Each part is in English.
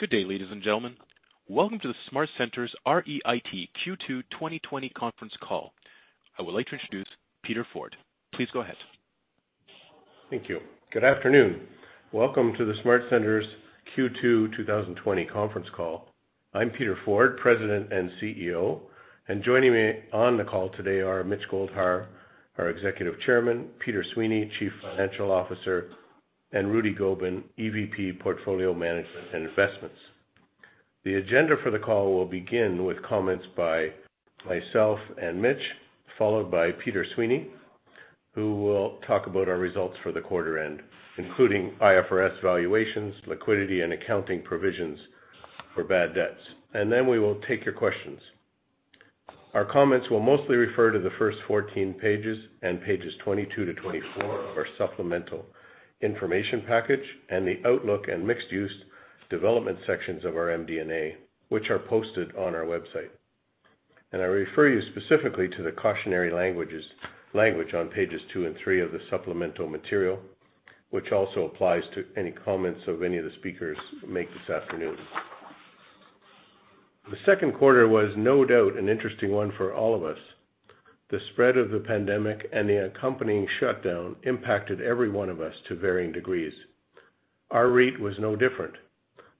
Good day, ladies and gentlemen. Welcome to the SmartCentres REIT Q2 2020 conference call. I would like to introduce Peter Forde. Please go ahead. Thank you. Good afternoon. Welcome to the SmartCentres Q2 2020 conference call. I'm Peter Forde, President and CEO, and joining me on the call today are Mitch Goldhar, our Executive Chairman, Peter Sweeney, Chief Financial Officer, and Rudy Gobin, EVP, Portfolio Management and Investments. The agenda for the call will begin with comments by myself and Mitch, followed by Peter Sweeney, who will talk about our results for the quarter end, including IFRS valuations, liquidity, and accounting provisions for bad debts. Then we will take your questions. Our comments will mostly refer to the first 14 pages, and pages 22 to 24 of our supplemental information package, and the outlook and mixed-use development sections of our MD&A, which are posted on our website. I refer you specifically to the cautionary language on pages two and three of the supplemental material, which also applies to any comments any of the speakers make this afternoon. The second quarter was no doubt an interesting one for all of us. The spread of the pandemic and the accompanying shutdown impacted every one of us to varying degrees. Our REIT was no different.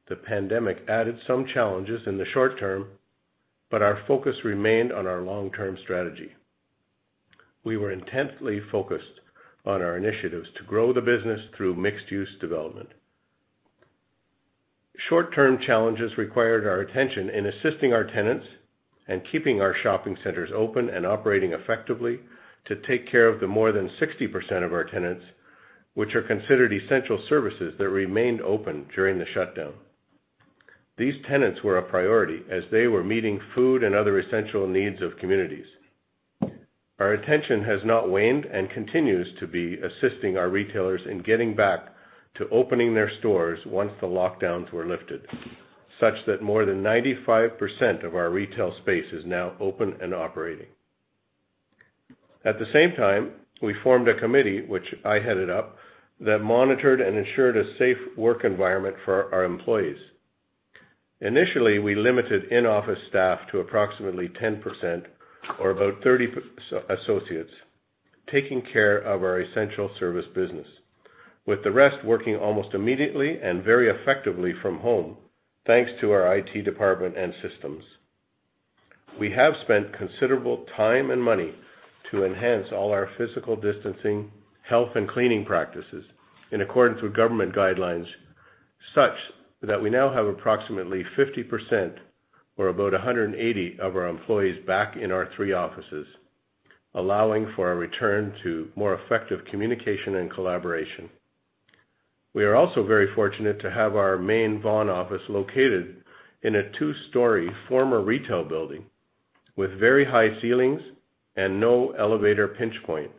The pandemic added some challenges in the short term, but our focus remained on our long-term strategy. We were intensely focused on our initiatives to grow the business through mixed-use development. Short-term challenges required our attention in assisting our tenants and keeping our shopping centers open and operating effectively to take care of the more than 60% of our tenants, which are considered essential services that remained open during the shutdown. These tenants were a priority as they were meeting food and other essential needs of communities. Our attention has not waned and continues to be assisting our retailers in getting back to opening their stores once the lockdowns were lifted, such that more than 95% of our retail space is now open and operating. At the same time, we formed a committee, which I headed up, that monitored and ensured a safe work environment for our employees. Initially, we limited in-office staff to approximately 10%, or about 30 associates, taking care of our essential service business, with the rest working almost immediately and very effectively from home, thanks to our IT department and systems. We have spent considerable time and money to enhance all our physical distancing, health, and cleaning practices in accordance with government guidelines, such that we now have approximately 50%, or about 180 of our employees back in our three offices, allowing for a return to more effective communication and collaboration. We are also very fortunate to have our main Vaughan office located in a two-story former retail building with very high ceilings and no elevator pinch point,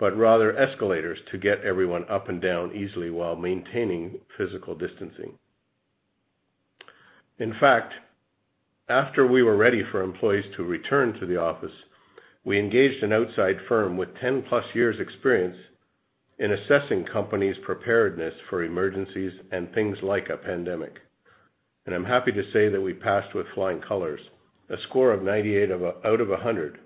but rather escalators to get everyone up and down easily while maintaining physical distancing. In fact, after we were ready for employees to return to the office, we engaged an outside firm with 10-plus years' experience in assessing companies' preparedness for emergencies and things like a pandemic. I'm happy to say that we passed with flying colors, a score of 98 out of 100,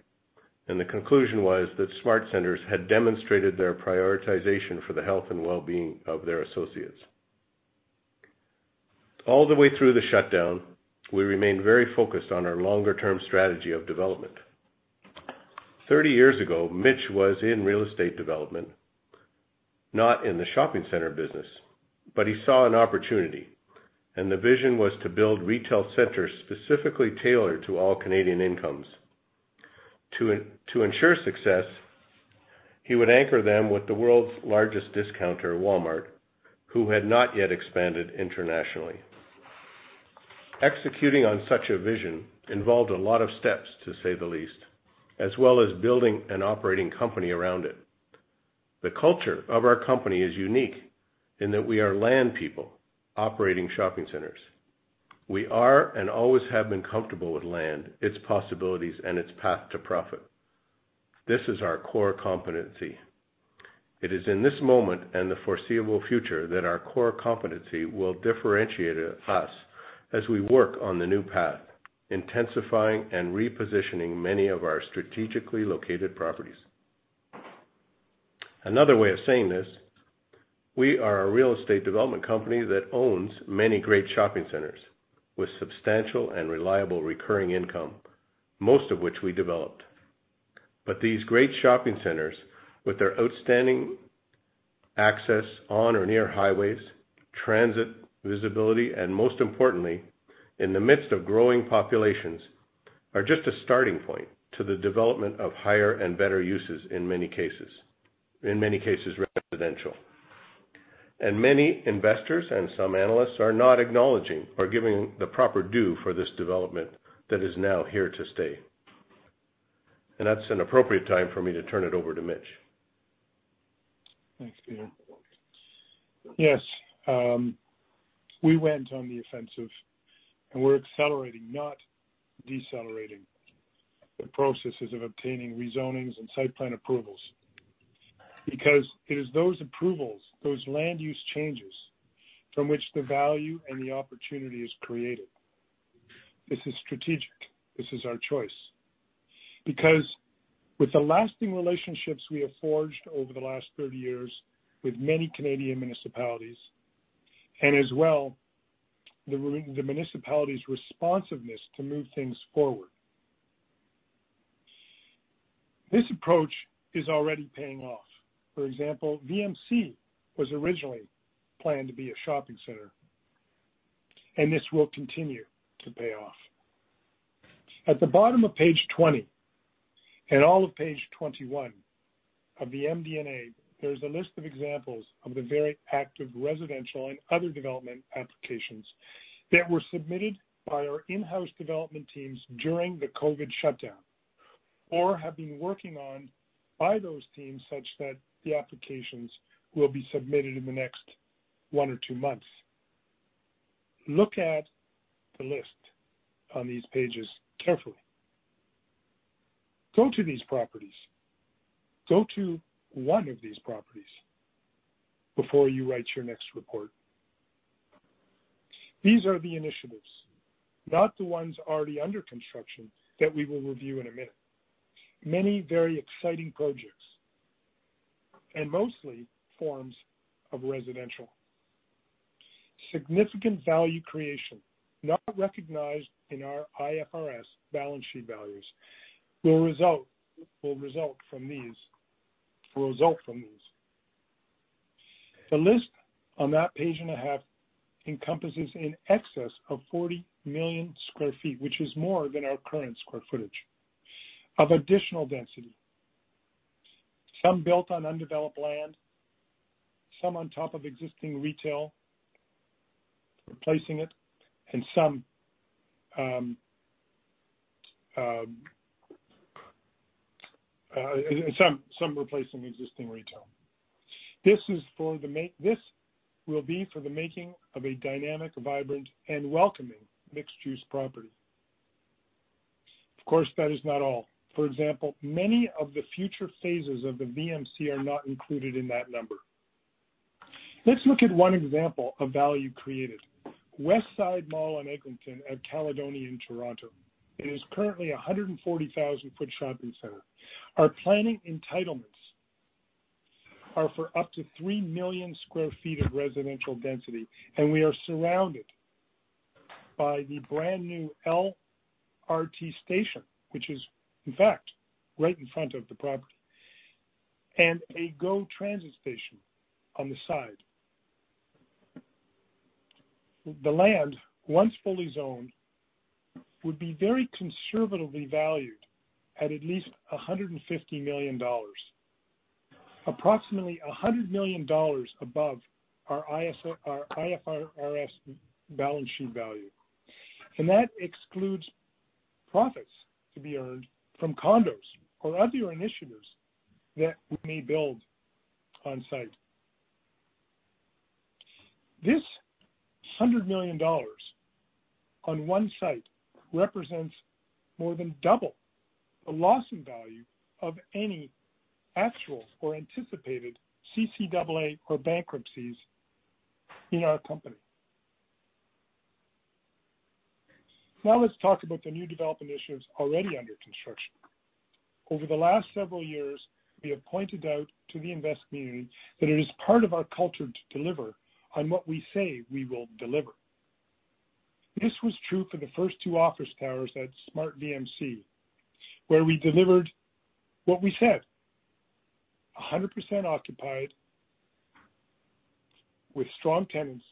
and the conclusion was that SmartCentres had demonstrated its prioritization for the health and well-being of their associates. All the way through the shutdown, we remained very focused on our longer-term strategy of development. Thirty years ago, Mitch was in real estate development, not in the shopping center business, but he saw an opportunity, and the vision was to build retail centers specifically tailored to all Canadian incomes. To ensure success, he would anchor them with the world's largest discounter, Walmart, who had not yet expanded internationally. Executing on such a vision involved a lot of steps, to say the least, as well as building an operating company around it. The culture of our company is unique in that we are land people operating shopping centers. We are and always have been comfortable with land, its possibilities, and its path to profit. This is our core competency. It is in this moment and the foreseeable future that our core competency will differentiate us as we work on the new path, intensifying and repositioning many of our strategically located properties. Another way of saying this, we are a real estate development company that owns many great shopping centers with substantial and reliable recurring income, most of which we developed. These great shopping centers, with their outstanding access on or near highways, transit, visibility, and most importantly, in the midst of growing populations, are just a starting point to the development of higher and better uses in many cases. In many cases, residential. Many investors and some analysts are not acknowledging or giving the proper due for this development that is now here to stay. That's an appropriate time for me to turn it over to Mitch. Thanks, Peter. Yes. We went on the offensive, and we're accelerating, not decelerating. The processes of obtaining rezonings and site plan approvals. It is those approvals, those land use changes from which the value and the opportunity is created. This is strategic. This is our choice. With the lasting relationships we have forged over the last 30 years with many Canadian municipalities, as well, the municipality's responsiveness to move things forward. This approach is already paying off. For example, VMC was originally planned to be a shopping center. This will continue to pay off. At the bottom of page 20 and all of page 21 of the MD&A, there's a list of examples of the very active residential and other development applications that were submitted by our in-house development teams during the COVID shutdown, or have been worked on by those teams such that the applications will be submitted in the next one or two months. Look at the list on these pages carefully. Go to these properties. Go to one of these properties before you write your next report. These are the initiatives, not the ones already under construction, that we will review in a minute. Many very exciting projects, and mostly forms of residential. Significant value creation, not recognized in our IFRS balance sheet values, will result from these. The list on that page and a half encompasses in excess of 40 million square feet, which is more than our current square footage of additional density. Some built on undeveloped land, some on top of existing retail, replacing it, and some replacing existing retail. This will be for the making of a dynamic, vibrant, and welcoming mixed-use property. Of course, that is not all. For example, many of the future phases of the VMC are not included in that number. Let's look at one example of value created. Westside Mall on Eglinton at Caledonia in Toronto. It is currently 140,000-foot shopping center. Our planning entitlements are for up to 3 million square feet of residential density, and we are surrounded by the brand-new LRT station, which is, in fact, right in front of the property. A GO Transit station on the side. The land, once fully zoned, would be very conservatively valued at least 150 million dollars, approximately 100 million dollars above our IFRS balance sheet value. That excludes profits to be earned from condos or other initiatives that we may build on-site. This 100 million dollars on one site represents more than double the loss in value of any actual or anticipated CCAA or bankruptcies in our company. Let's talk about the new development initiatives already under construction. Over the last several years, we have pointed out to the investment community that it is part of our culture to deliver on what we say we will deliver. This was true for the first two office towers at SmartVMC, where we delivered what we said. 100% occupied with strong tenants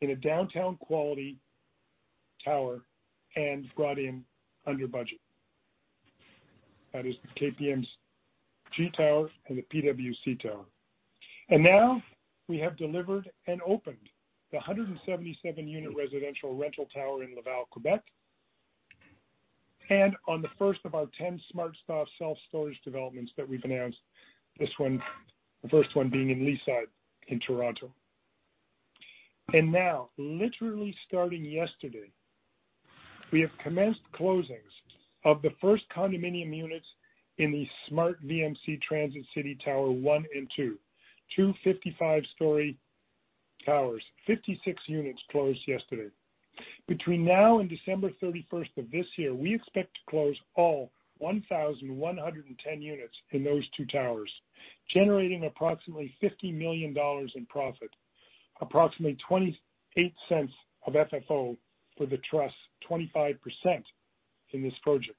in a downtown quality tower and brought in under budget. That is the KPMG Tower and the PwC Tower. We have delivered and opened the 177-unit residential rental tower in Laval, Quebec, and on the first of our 10 SmartStop self-storage developments that we've announced, the first one being in Leaside in Toronto. Now, literally starting yesterday, we have commenced closings of the first condominium units in the SmartVMC Transit City One and Two. Two 55-story towers, 56 units closed yesterday. Between now and December 31st of this year, we expect to close all 1,110 units in those two towers, generating approximately 50 million dollars in profit. Approximately 0.28 of FFO for the trust, 25% in this project.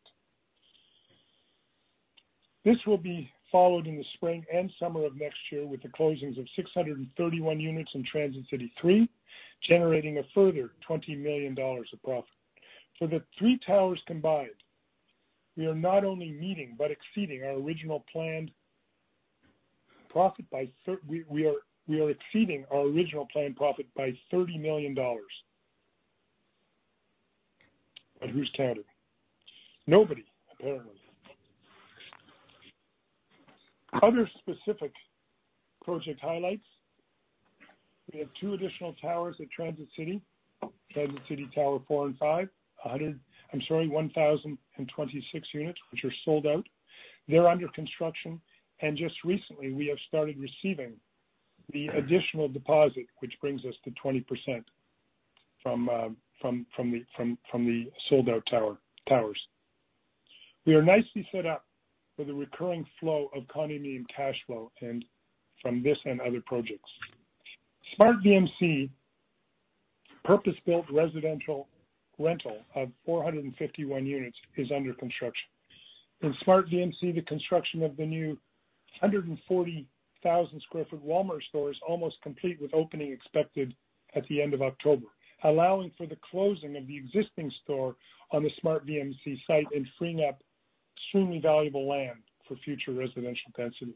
This will be followed in the spring and summer of next year with the closings of 631 units in Transit City 3, generating a further 20 million dollars of profit. For the three towers combined, we are not only meeting but exceeding our original planned profit. We are exceeding our original planned profit by 30 million dollars. Who's counting? Nobody, apparently. Other specific project highlights. We have two additional towers at Transit City, Transit City Tower four and five, 1,026 units, which are sold out. They're under construction. Just recently we have started receiving the additional deposit, which brings us to 20% from the sold-out towers. We are nicely set up for the recurring flow of condominium cash flow from this and other projects. SmartVMC, purpose-built residential rental of 451 units is under construction. In SmartVMC, the construction of the new 140,000 sq ft Walmart store is almost complete, with opening expected at the end of October, allowing for the closing of the existing store on the SmartVMC site and freeing up extremely valuable land for future residential density.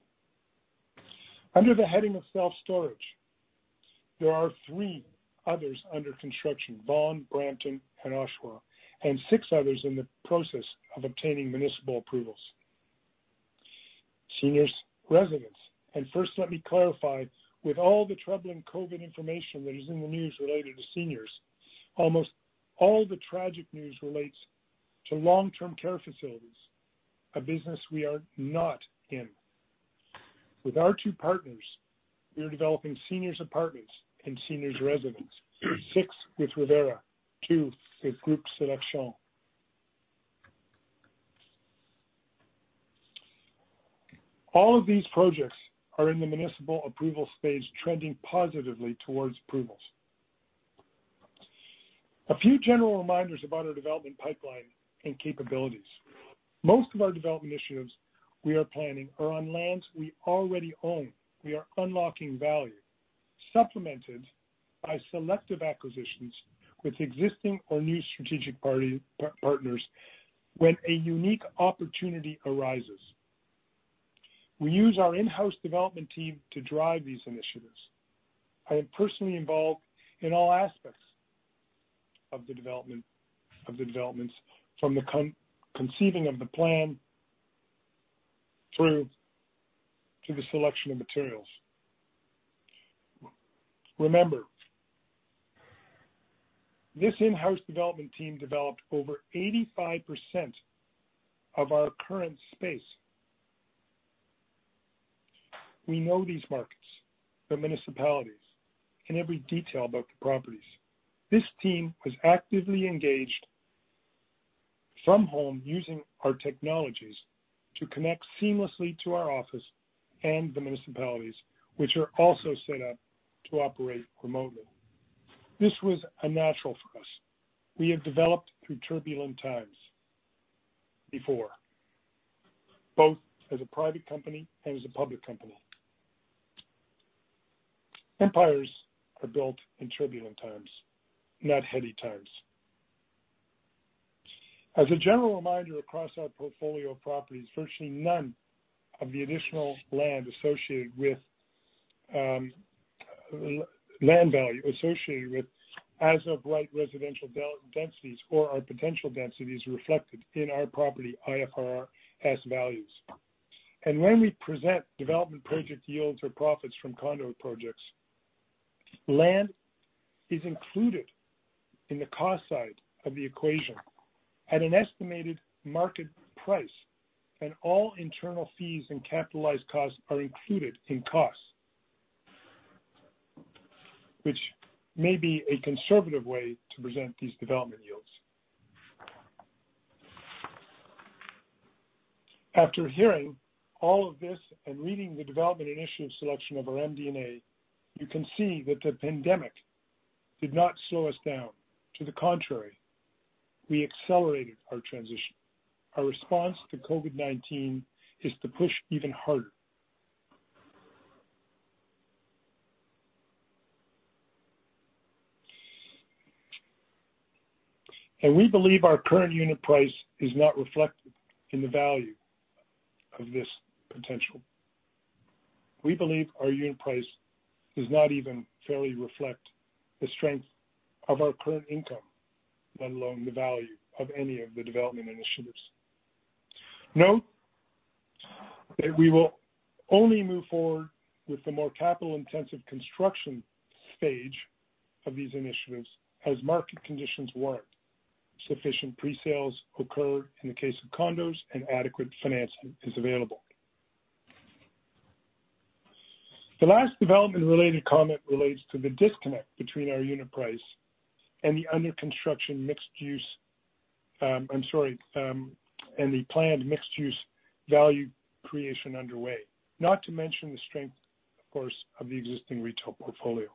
Under the heading of self-storage, there are three others under construction, Vaughan, Brampton, and Oshawa, and six others in the process of obtaining municipal approvals. Seniors residences. First, let me clarify, with all the troubling COVID information that is in the news related to seniors, almost all the tragic news relates to long-term care facilities, a business we are not in. With our two partners, we are developing seniors apartments and seniors residences. Six with Revera, two with Groupe Sélection. All of these projects are in the municipal approval stage, trending positively towards approvals. A few general reminders about our development pipeline and capabilities. Most of our development initiatives we are planning are on lands we already own. We are unlocking value, supplemented by selective acquisitions with existing or new strategic partners when a unique opportunity arises. We use our in-house development team to drive these initiatives. I am personally involved in all aspects of the developments from the conceiving of the plan through to the selection of materials. Remember, this in-house development team developed over 85% of our current space. We know these markets, the municipalities, and every detail about the properties. This team is actively engaged from home using our technologies to connect seamlessly to our office and the municipalities, which are also set up to operate remotely. This was a natural for us. We have developed through turbulent times before, both as a private company and as a public company. Empires are built in turbulent times, not heady times. As a general reminder across our portfolio of properties, virtually none of the additional land value associated with as-of-right residential densities or our potential densities are reflected in our property IFRS values. When we present development project yields or profits from condo projects, land is included in the cost side of the equation at an estimated market price, and all internal fees and capitalized costs are included in costs, which may be a conservative way to present these development yields. After hearing all of this and reading the development initiative selection of our MD&A, you can see that the pandemic did not slow us down. To the contrary, we accelerated our transition. Our response to COVID-19 is to push even harder. We believe our current unit price is not reflected in the value of this potential. We believe our unit price does not even fairly reflect the strength of our current income, let alone the value of any of the development initiatives. Note that we will only move forward with the more capital-intensive construction stage of these initiatives as market conditions warrant, sufficient pre-sales occur in the case of condos, and adequate financing is available. The last development-related comment relates to the disconnect between our unit price and the planned mixed-use value creation underway, not to mention the strength, of course, of the existing retail portfolio.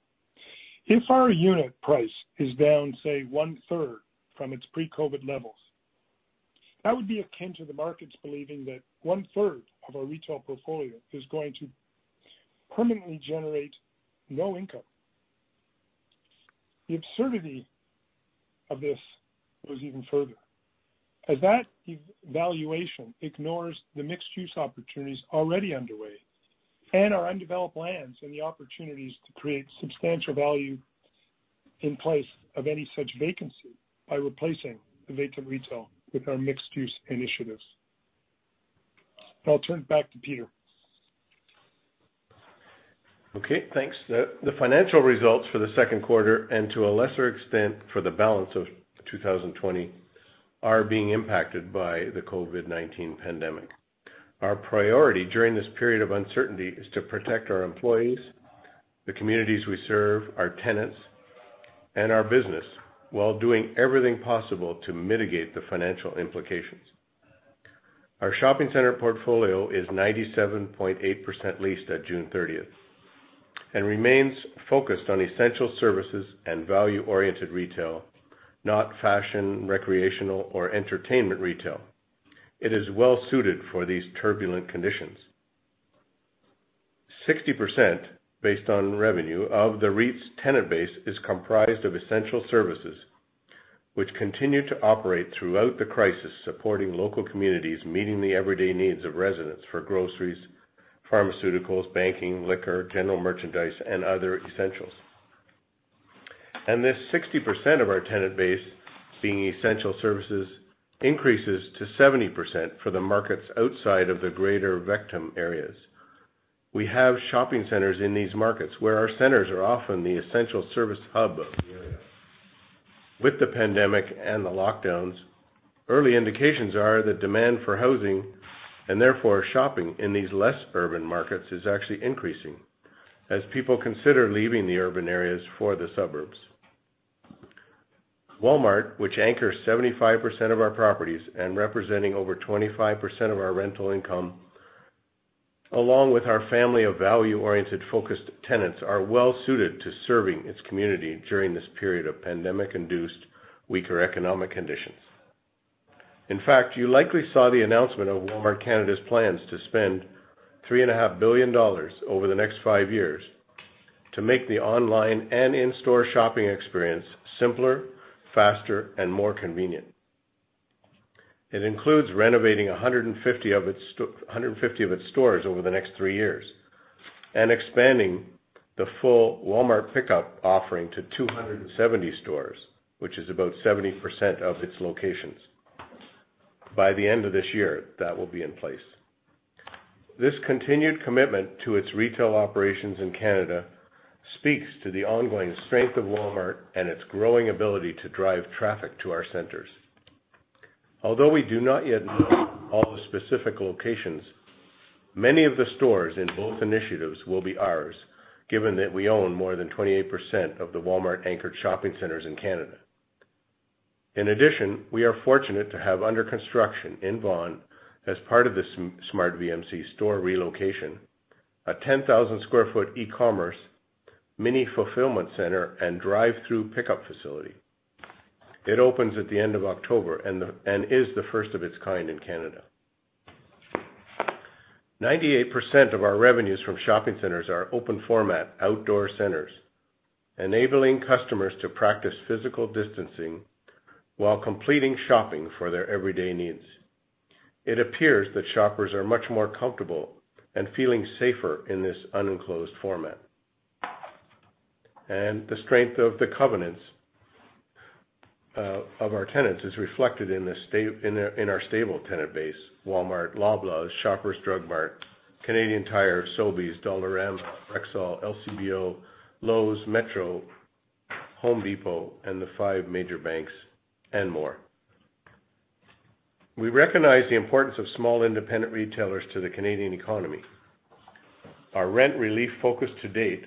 If our unit price is down, say, one-third from its pre-COVID levels, that would be akin to the markets believing that one-third of our retail portfolio is going to permanently generate no income. The absurdity of this goes even further, as that valuation ignores the mixed-use opportunities already underway and our undeveloped lands and the opportunities to create substantial value in place of any such vacancy by replacing the vacant retail with our mixed-use initiatives. I'll turn it back to Peter. Okay, thanks. The financial results for the second quarter, and to a lesser extent for the balance of 2020, are being impacted by the COVID-19 pandemic. Our priority during this period of uncertainty is to protect our employees, the communities we serve, our tenants, and our business while doing everything possible to mitigate the financial implications. Our shopping center portfolio is 97.8% leased at June 30th and remains focused on essential services and value-oriented retail, not fashion, recreational, or entertainment retail. It is well-suited for these turbulent conditions. 60%, based on revenue, of the REIT's tenant base is comprised of essential services, which continued to operate throughout the crisis supporting local communities, meeting the everyday needs of residents for groceries, pharmaceuticals, banking, liquor, general merchandise, and other essentials. This 60% of our tenant base being essential services increases to 70% for the markets outside of the Greater Toronto Area. We have shopping centers in these markets where our centers are often the essential service hub of the area. With the pandemic and the lockdowns, early indications are that demand for housing, and therefore shopping, in these less urban markets is actually increasing as people consider leaving the urban areas for the suburbs. Walmart, which anchors 75% of our properties and representing over 25% of our rental income, along with our family of value-oriented-focused tenants, are well-suited to serving its community during this period of pandemic-induced weaker economic conditions. In fact, you likely saw the announcement of Walmart Canada's plans to spend 3.5 billion dollars over the next 5 years to make the online and in-store shopping experience simpler, faster, and more convenient. It includes renovating 150 of its stores over the next three years and expanding the full Walmart pickup offering to 270 stores, which is about 70% of its locations. By the end of this year, that will be in place. This continued commitment to its retail operations in Canada speaks to the ongoing strength of Walmart and its growing ability to drive traffic to our centers. Although we do not yet know all the specific locations, many of the stores in both initiatives will be ours, given that we own more than 28% of the Walmart-anchored shopping centers in Canada. In addition, we are fortunate to have under construction in Vaughan, as part of the SmartVMC store relocation, a 10,000-square-foot e-commerce mini-fulfillment center and drive-thru pickup facility. It opens at the end of October and is the first of its kind in Canada. 98% of our revenues from shopping centers are open-format outdoor centers, enabling customers to practice physical distancing while completing shopping for their everyday needs. It appears that shoppers are much more comfortable and feeling safer in this unenclosed format. The strength of the covenants of our tenants is reflected in our stable tenant base, Walmart, Loblaws, Shoppers Drug Mart, Canadian Tire, Sobeys, Dollarama, Rexall, LCBO, Lowe's, Metro, Home Depot, and the five major banks, and more. We recognize the importance of small, independent retailers to the Canadian economy. Our rent relief focus to date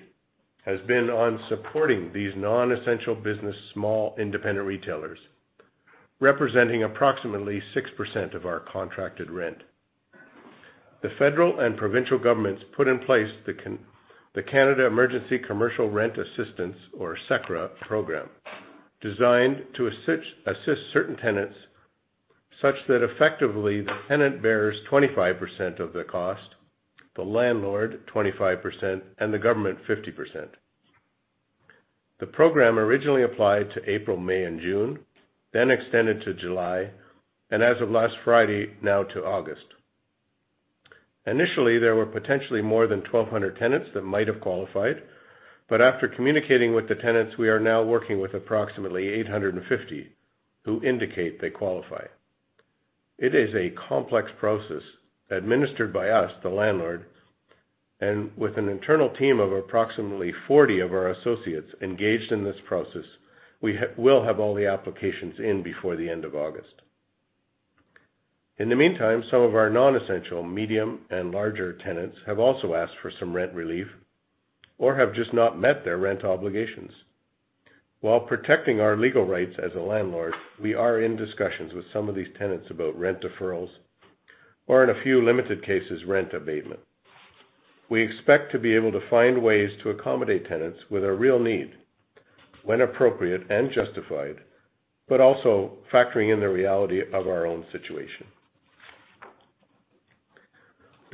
has been on supporting these non-essential business small independent retailers, representing approximately 6% of our contracted rent. The federal and provincial governments put in place the Canada Emergency Commercial Rent Assistance, or CECRA program, designed to assist certain tenants such that effectively the tenant bears 25% of the cost, the landlord 25%, and the government 50%. The program originally applied to April, May, and June, then extended to July, and as of last Friday, now to August. Initially, there were potentially more than 1,200 tenants that might have qualified, but after communicating with the tenants, we are now working with approximately 850 who indicate they qualify. It is a complex process administered by us, the landlord, and with an internal team of approximately 40 of our associates engaged in this process, we will have all the applications in before the end of August. In the meantime, some of our non-essential medium and larger tenants have also asked for some rent relief or have just not met their rent obligations. While protecting our legal rights as a landlord, we are in discussions with some of these tenants about rent deferrals or, in a few limited cases, rent abatement. We expect to be able to find ways to accommodate tenants with a real need when appropriate and justified, but also factoring in the reality of our own situation.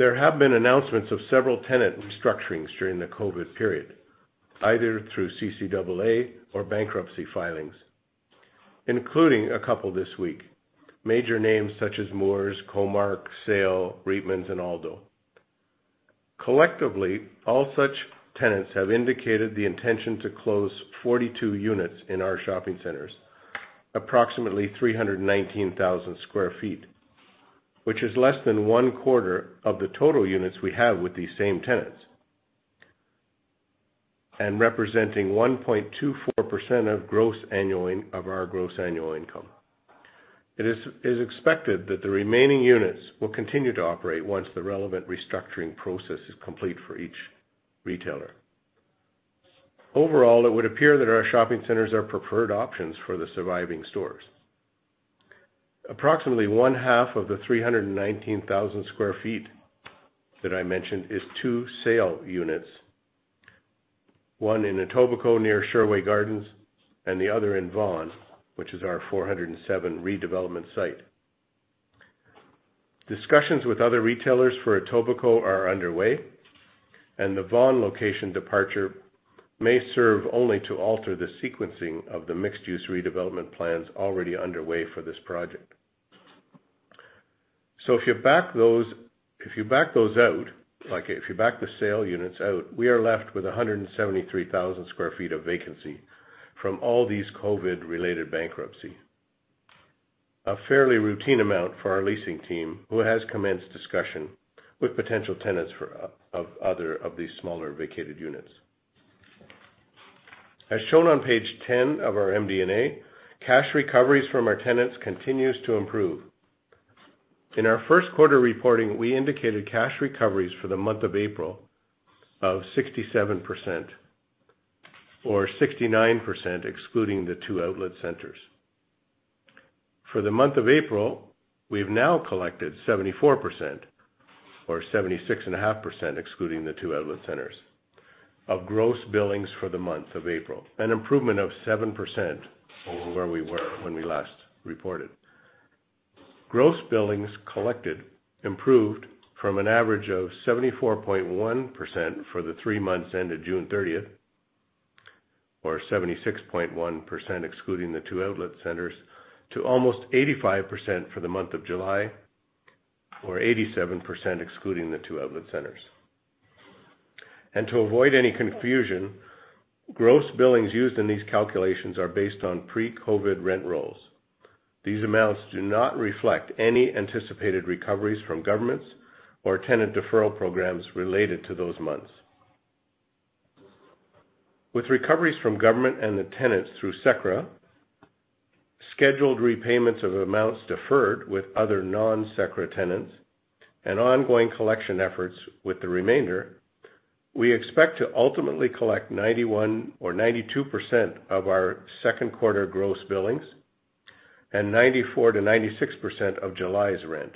There have been announcements of several tenant restructurings during the COVID period, either through CCAA or bankruptcy filings, including a couple this week. Major names such as Moores, Comark, SAIL, Reitmans, and ALDO. Collectively, all such tenants have indicated the intention to close 42 units in our shopping centers, approximately 319,000 square feet, which is less than one-quarter of the total units we have with these same tenants, and representing 1.24% of our gross annual income. It is expected that the remaining units will continue to operate once the relevant restructuring process is complete for each retailer. Overall, it would appear that our shopping centers are preferred options for the surviving stores. Approximately one-half of the 319,000 square feet that I mentioned is two SAIL units, one in Etobicoke near Sherway Gardens, and the other in Vaughan, which is our 407 redevelopment site. Discussions with other retailers for Etobicoke are underway, and the Vaughan location departure may serve only to alter the sequencing of the mixed-use redevelopment plans already underway for this project. If you back those out, if you back the SAIL unitss out, we are left with 173,000 square feet of vacancy from all these COVID-related bankruptcies. A fairly routine amount for our leasing team, who has commenced discussion with potential tenants of these smaller vacated units. As shown on page 10 of our MD&A, cash recoveries from our tenants continues to improve. In our first quarter reporting, we indicated cash recoveries for the month of April of 67%, or 69% excluding the two outlet centers. For the month of April, we've now collected 74%, or 76.5% excluding the two outlet centers, of gross billings for the month of April, an improvement of 7% over where we were when we last reported. Gross billings collected improved from an average of 74.1% for the three months ended June 30th, or 76.1% excluding the two outlet centers, to almost 85% for the month of July, or 87% excluding the two outlet centers. To avoid any confusion, gross billings used in these calculations are based on pre-COVID rent rolls. These amounts do not reflect any anticipated recoveries from governments or tenant deferral programs related to those months. With recoveries from government and the tenants through CECRA, scheduled repayments of amounts deferred with other non-CECRA tenants, and ongoing collection efforts with the remainder, we expect to ultimately collect 91% or 92% of our second quarter gross billings and 94%-96% of July's rent.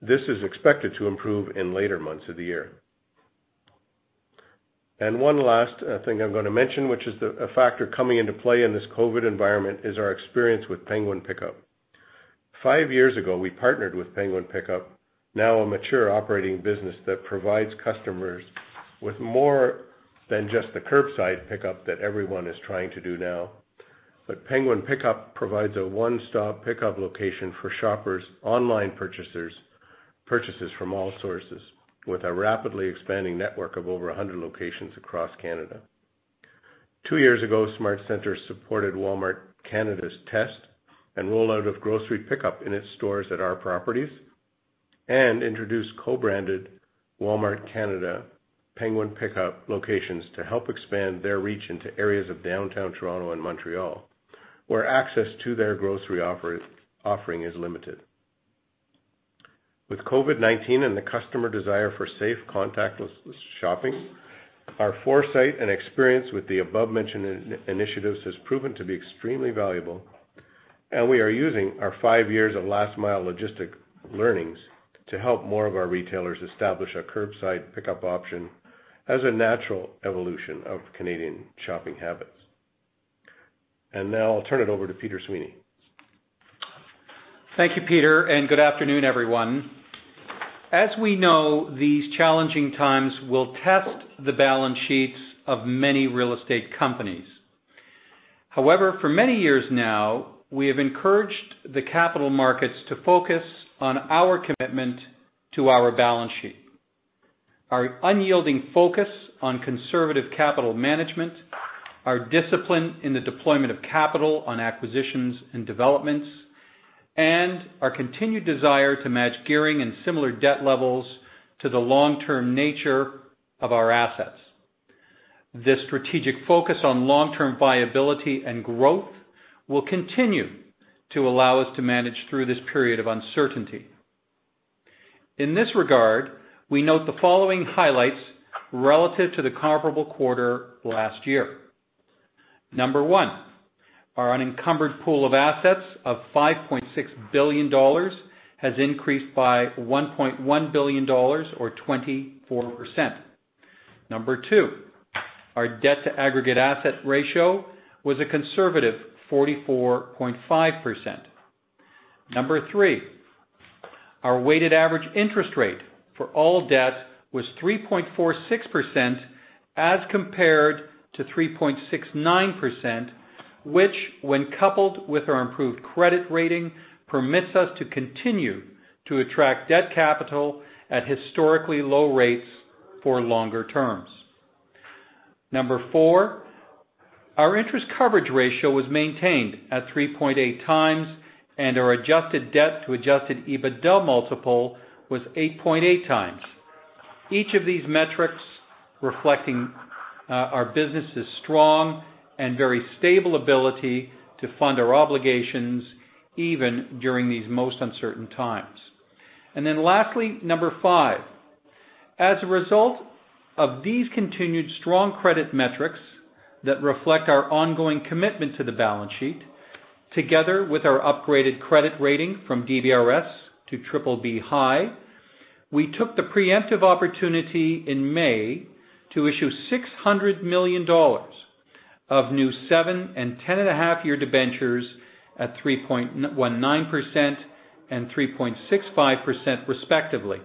This is expected to improve in later months of the year. One last thing I'm going to mention, which is a factor coming into play in this COVID environment, is our experience with Penguin Pickup. Five years ago, we partnered with Penguin Pickup, now a mature operating business that provides customers with more than just the curbside pickup that everyone is trying to do now. Penguin Pickup provides a one-stop pickup location for shoppers, online purchasers, purchases from all sources, with a rapidly expanding network of over 100 locations across Canada. Two years ago, SmartCentres supported Walmart Canada's test and rollout of grocery pickup in its stores at our properties and introduced co-branded Walmart Canada Penguin Pickup locations to help expand their reach into areas of downtown Toronto and Montreal, where access to their grocery offering is limited. With COVID-19 and the customer desire for safe, contactless shopping, our foresight and experience with the above-mentioned initiatives have proven to be extremely valuable, we are using our five years of last-mile logistic learnings to help more of our retailers establish a curbside pickup option as a natural evolution of Canadian shopping habits. Now I'll turn it over to Peter Sweeney. Thank you, Peter, and good afternoon, everyone. As we know, these challenging times will test the balance sheets of many real estate companies. However, for many years now, we have encouraged the capital markets to focus on our commitment to our balance sheet, our unyielding focus on conservative capital management, our discipline in the deployment of capital on acquisitions and developments, and our continued desire to match gearing and similar debt levels to the long-term nature of our assets. This strategic focus on long-term viability and growth will continue to allow us to manage through this period of uncertainty. In this regard, we note the following highlights relative to the comparable quarter last year. Number one, our unencumbered pool of assets of 5.6 billion dollars has increased by 1.1 billion dollars, or 24%. Number two, our debt-to-aggregate asset ratio was a conservative 44.5%. Number three, our weighted average interest rate for all debt was 3.46% as compared to 3.69%, which, when coupled with our improved credit rating, permits us to continue to attract debt capital at historically low rates for longer terms. Our interest coverage ratio was maintained at 3.8 times, and our adjusted debt to adjusted EBITDA multiple was 8.8 times. Each of these metrics reflecting our business' strong and very stable ability to fund our obligations even during these most uncertain times. Lastly, number five. As a result of these continued strong credit metrics that reflect our ongoing commitment to the balance sheet, together with our upgraded credit rating from DBRS to BBB (high), we took the preemptive opportunity in May to issue 600 million dollars of new 7 and 10 and a half year debentures at 3.19% and 3.65% respectively.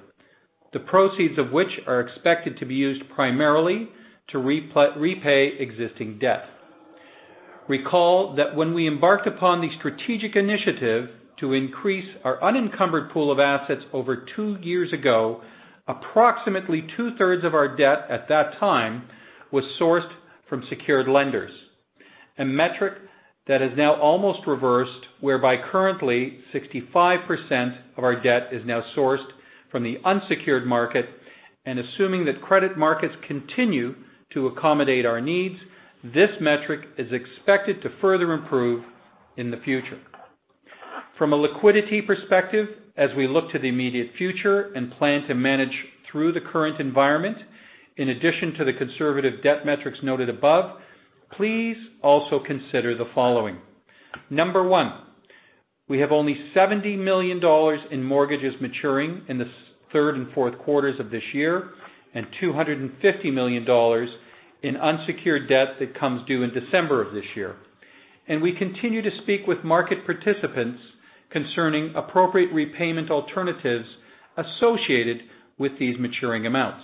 The proceeds of which are expected to be used primarily to repay existing debt. Recall that when we embarked upon the strategic initiative to increase our unencumbered pool of assets over two years ago, approximately two-thirds of our debt at that time was sourced from secured lenders. A metric that is now almost reversed, whereby currently 65% of our debt is now sourced from the unsecured market. Assuming that credit markets continue to accommodate our needs, this metric is expected to further improve in the future. From a liquidity perspective, as we look to the immediate future and plan to manage through the current environment, in addition to the conservative debt metrics noted above, please also consider the following. Number one, we have only 70 million dollars in mortgages maturing in the third and fourth quarters of this year, and 250 million dollars in unsecured debt that comes due in December of this year. We continue to speak with market participants concerning appropriate repayment alternatives associated with these maturing amounts.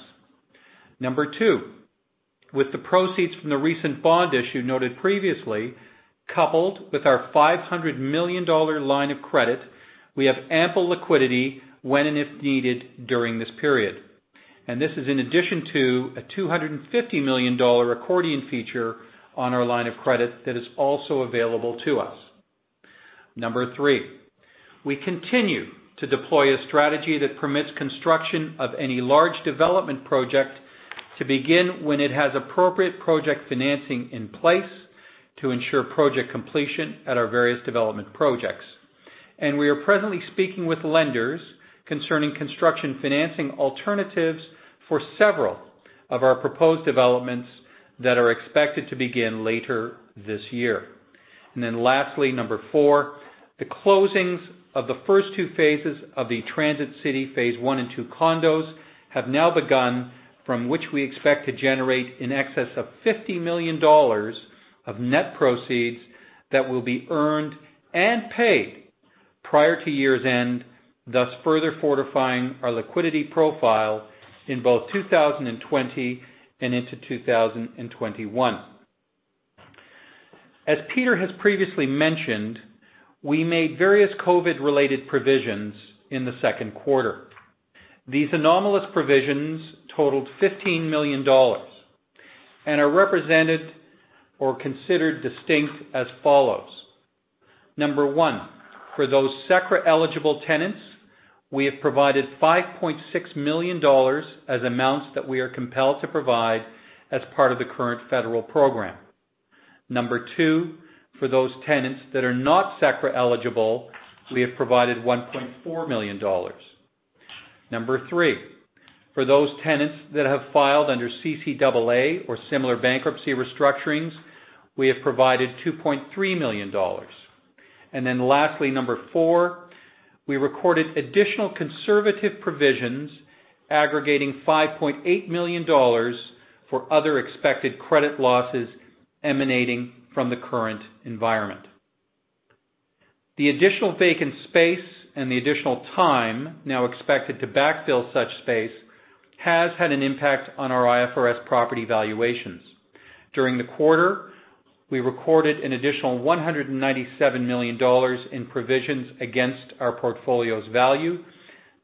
Number two, with the proceeds from the recent bond issue noted previously, coupled with our 500 million dollar line of credit, we have ample liquidity when and if needed during this period. This is in addition to a 250 million dollar accordion feature on our line of credit that is also available to us. Number three, we continue to deploy a strategy that permits construction of any large development project to begin when it has appropriate project financing in place to ensure project completion at our various development projects. We are presently speaking with lenders concerning construction financing alternatives for several of our proposed developments that are expected to begin later this year. Lastly, number 4, the closings of the first two phases of the Transit City One and Two condos have now begun, from which we expect to generate in excess of 50 million dollars of net proceeds that will be earned and paid prior to year's end, thus further fortifying our liquidity profile in both 2020 and into 2021. As Peter has previously mentioned, we made various COVID-related provisions in the second quarter. These anomalous provisions totaled 15 million dollars and are represented or considered distinct as follows. Number 1, for those CECRA-eligible tenants, we have provided 5.6 million dollars as amounts that we are compelled to provide as part of the current federal program. Number 2, for those tenants that are not CECRA eligible, we have provided 1.4 million dollars. Number 3, for those tenants that have filed under CCAA or similar bankruptcy restructurings, we have provided 2.3 million dollars. Lastly, Number 4, we recorded additional conservative provisions aggregating 5.8 million dollars for other expected credit losses emanating from the current environment. The additional vacant space and the additional time now expected to backfill such space has had an impact on our IFRS property valuations. During the quarter, we recorded an additional 197 million dollars in provisions against our portfolio's value.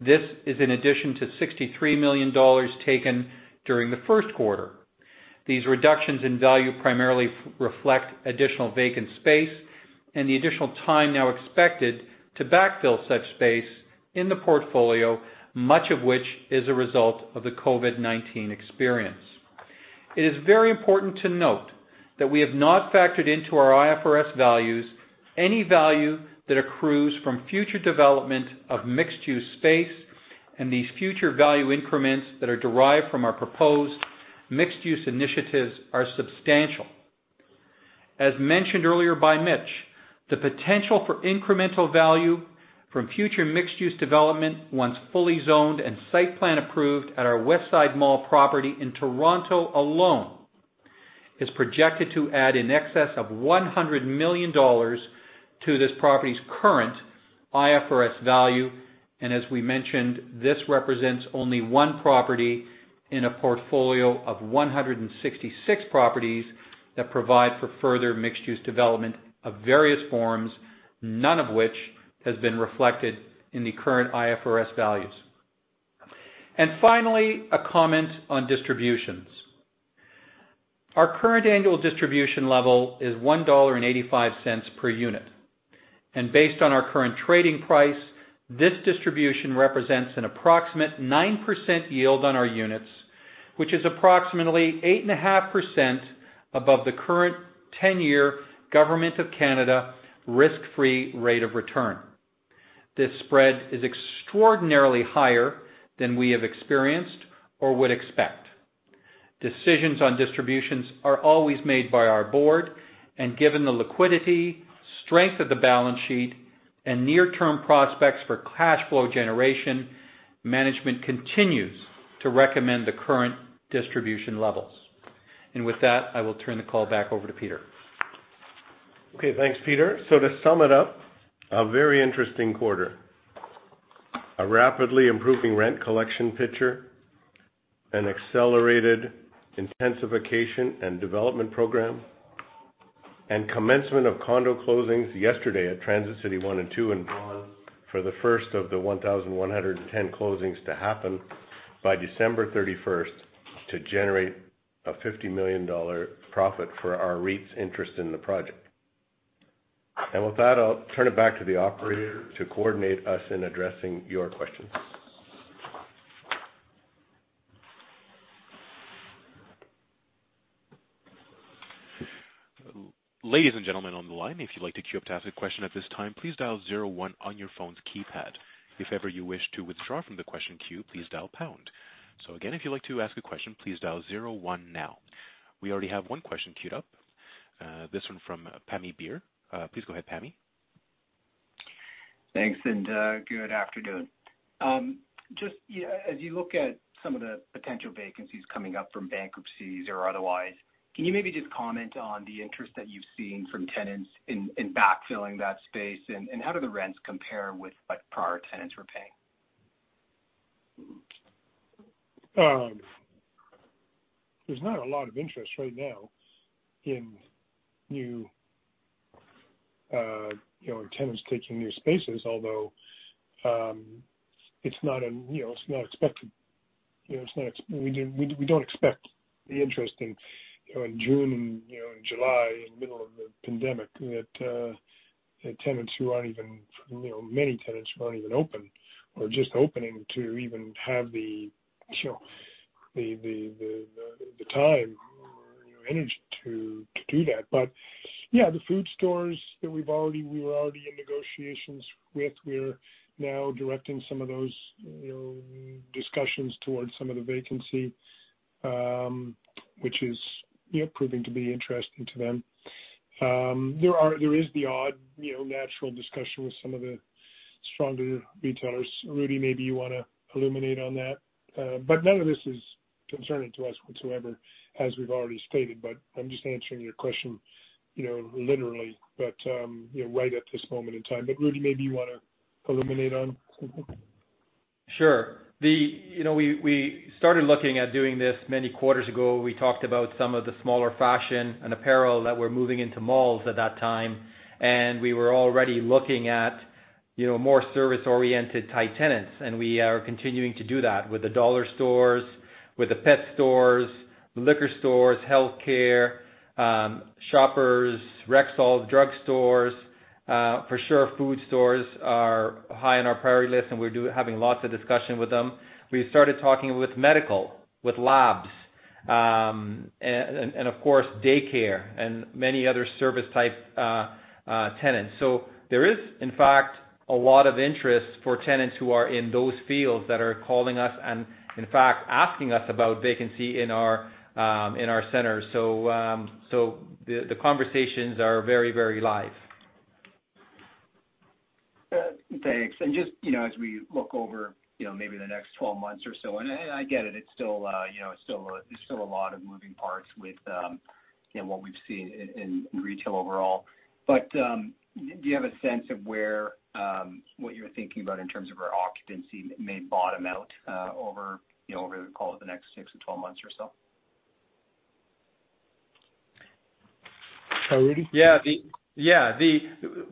This is in addition to 63 million dollars taken during the first quarter. These reductions in value primarily reflect additional vacant space and the additional time now expected to backfill such space in the portfolio, much of which is a result of the COVID-19 experience. It is very important to note that we have not factored into our IFRS values any value that accrues from future development of mixed-use space, and these future value increments that are derived from our proposed mixed-use initiatives are substantial. As mentioned earlier by Mitch, the potential for incremental value from future mixed-use development, once fully zoned and site plan approved at our Westside Mall property in Toronto alone is projected to add in excess of 100 million dollars to this property's current IFRS value. As we mentioned, this represents only one property in a portfolio of 166 properties that provide for further mixed-use development of various forms, none of which has been reflected in the current IFRS values. Finally, a comment on distributions. Our current annual distribution level is 1.85 dollar per unit. Based on our current trading price, this distribution represents an approximate 9% yield on our units, which is approximately 8.5% above the current 10-year Government of Canada risk-free rate of return. This spread is extraordinarily higher than we have experienced or would expect. Decisions on distributions are always made by our board, and given the liquidity, strength of the balance sheet, and near-term prospects for cash flow generation, management continues to recommend the current distribution levels. With that, I will turn the call back over to Peter. Okay. Thanks, Peter. To sum it up, a very interesting quarter. A rapidly improving rent collection picture, an accelerated intensification and development program, and commencement of condo closings yesterday at Transit City One and Two in Vaughan for the first of the 1,110 closings to happen by December 31st to generate a 50 million dollar profit for our REIT's interest in the project. With that, I'll turn it back to the operator to coordinate us in addressing your questions. We already have one question queued up. This one from Pammi Bir. Please go ahead, Pammi. Thanks, good afternoon. As you look at some of the potential vacancies coming up from bankruptcies or otherwise, can you maybe just comment on the interest that you've seen from tenants in backfilling that space? How do the rents compare with what prior tenants were paying? There's not a lot of interest right now in tenants taking new spaces, although that's not unexpected. We don't expect the interest in June and July, in the middle of the pandemic, that many tenants who aren't even open or just opening to even have the time or energy to do that. Yeah, the food stores that we were already in negotiations with, we're now directing some of those discussions towards some of the vacancy, which is proving to be interesting to them. There is the odd natural discussion with some of the stronger retailers. Rudy, maybe you want to illuminate on that. None of this is concerning to us whatsoever, as we've already stated. I'm just answering your question literally right at this moment in time. Rudy, maybe you want to illuminate on something? Sure. We started looking at doing this many quarters ago. We talked about some of the smaller fashion and apparel that were moving into malls at that time, and we were already looking at more service-oriented type tenants. We are continuing to do that with the dollar stores, with the pet stores, liquor stores, healthcare, Shoppers, Rexall drugstores. For sure, food stores are high on our priority list, and we're having lots of discussion with them. We started talking with medical, with labs, and of course, daycare and many other service-type tenants. There is, in fact, a lot of interest for tenants who are in those fields that are calling us and, in fact, asking us about vacancy in our centers. The conversations are very live. Thanks. Just as we look over maybe the next 12 months or so, I get it, there's still a lot of moving parts with what we've seen in retail overall. Do you have a sense of what you're thinking about in terms of our occupancy may bottom out over, call it, the next 6-12 months or so? Rudy?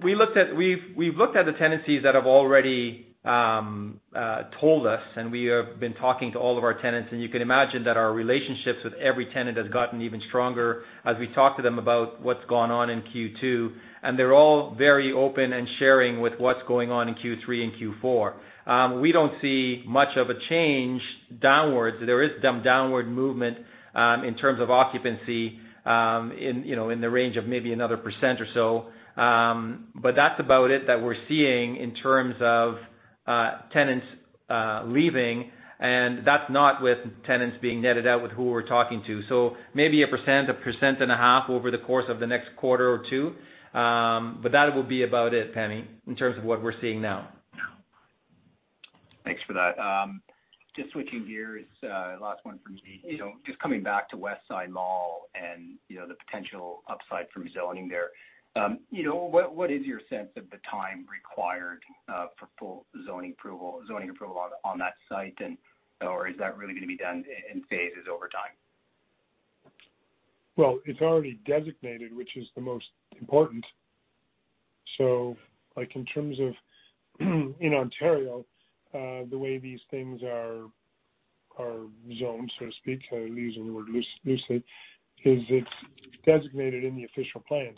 We've looked at the tenancies that have already told us. We have been talking to all of our tenants. You can imagine that our relationships with every tenant has gotten even stronger as we talk to them about what's gone on in Q2, and they're all very open and sharing with what's going on in Q3 and Q4. We don't see much of a change downwards. There is some downward movement in terms of occupancy in the range of maybe another 1% or so. That's about it that we're seeing in terms of tenants leaving, and that's not with tenants being netted out with who we're talking to. Maybe 1%, 1.5% over the course of the next quarter or two. That will be about it, Pammi, in terms of what we're seeing now. Thanks for that. Just switching gears, last one from me. Just coming back to Westside Mall and the potential upside from zoning there. What is your sense of the time required for full zoning approval on that site? Or is that really going to be done in phases over time? It's already designated, which is the most important. In terms of in Ontario, the way these things are zoned, so to speak, so I use the word loosely, is it's designated in the official plan.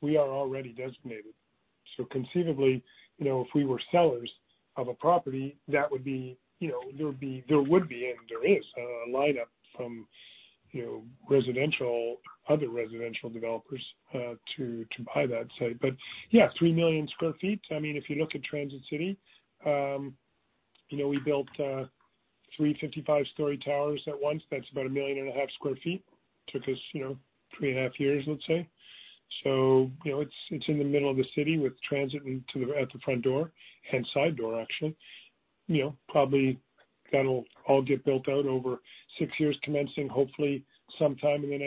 We are already designated. Conceivably, if we were sellers of a property, there would be and there is a lineup from other residential developers to buy that site. Yeah, three million square feet. If you look at Transit City, we built three 55-story towers at once. That's about a million and a half square feet. Took us three and a half years, let's say. It's in the middle of the city with transit at the front door and side door actually. Probably that'll all get built out over six years, commencing hopefully sometime in the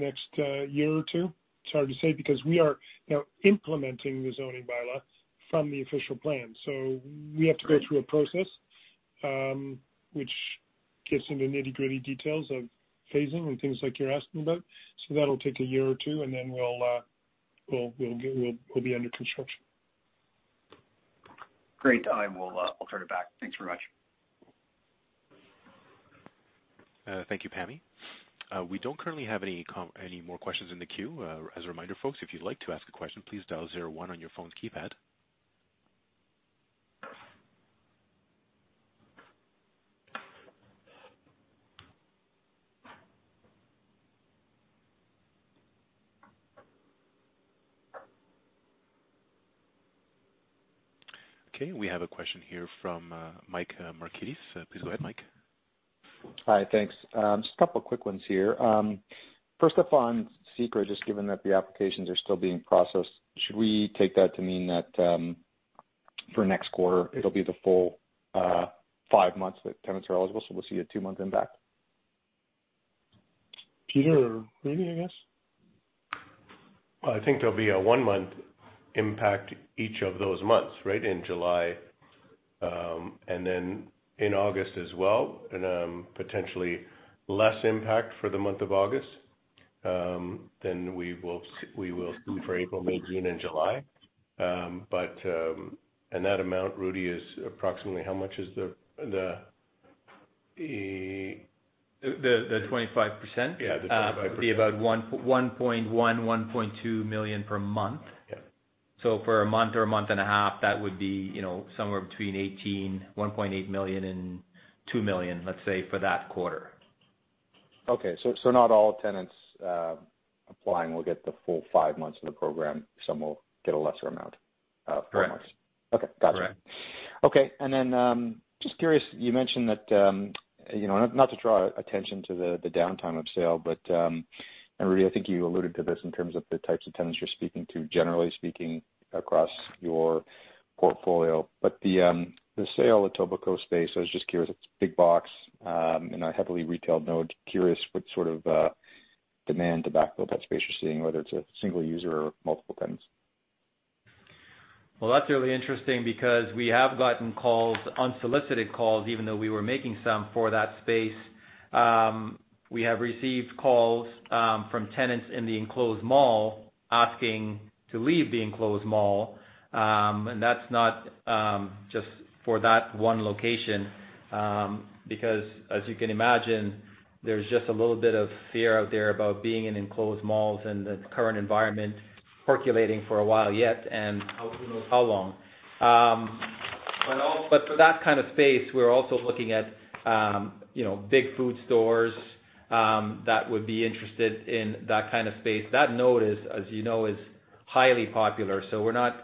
next year or two. It's hard to say because we are now implementing the zoning bylaw from the official plan. We have to go through a process, which gets into the nitty-gritty details of phasing and things like you're asking about. That'll take a year or two, and then we'll be under construction. Great. I will turn it back. Thanks very much. Thank you, Pammi. We don't currently have any more questions in the queue. As a reminder, folks, if you'd like to ask a question, please dial zero one on your phone's keypad. Okay, we have a question here from Mike Markidis. Please go ahead, Mike. Hi, thanks. Just a couple of quick ones here. First off, on CECRA, just given that the applications are still being processed, should we take that to mean that for next quarter it'll be the full five months that tenants are eligible, so we'll see a two-month impact? Peter or Rudy, I guess. I think there'll be a one-month impact each of those months. In July, and then in August as well, and potentially less impact for the month of August than we will see for April, May, June, and July. That amount, Rudy, is approximately how much is the? The 25%? Yeah, the 25%. It'd be about 1.1 million, 1.2 million per month. Yeah. For a month or a month and a half, that would be somewhere between 1.8 million and 2 million, let's say, for that quarter. Okay. Not all tenants applying will get the full five months of the program. Some will get a lesser amount- Correct per month. Okay, got you. Correct. Okay. Just curious, you mentioned that, not to draw attention to the downtime of SAIL, and Rudy, I think you alluded to this in terms of the types of tenants you're speaking to, generally speaking, across your portfolio. The SAIL, Etobicoke space, I was just curious. It's big box in a heavily retailed node. Curious what sort of demand to backfill that space you're seeing, whether it's a single user or multiple tenants. That's really interesting because we have gotten calls, unsolicited calls, even though we were making some for that space. We have received calls from tenants in the enclosed mall asking to leave the enclosed mall. That's not just for that one location because as you can imagine, there's just a little bit of fear out there about being in enclosed malls in the current environment percolating for a while yet, and who knows how long. For that kind of space, we're also looking at big food stores that would be interested in that kind of space. That node is, as you know, is highly popular. We're not